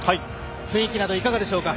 雰囲気など、いかがですか。